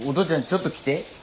ちょっと来て。